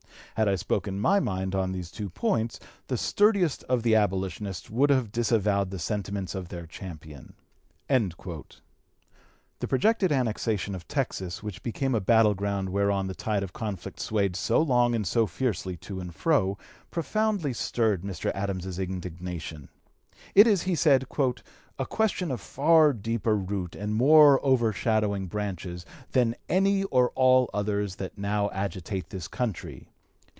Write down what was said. Had I spoken my mind on these two points, the sturdiest of the abolitionists would have disavowed the sentiments of their champion." The projected annexation of Texas, which became a battle ground whereon the tide of conflict swayed so long and so fiercely to and fro, profoundly stirred Mr. Adams's indignation. It is, he said, "a question of far deeper root and more overshadowing branches than (p. 266) any or all others that now agitate this country....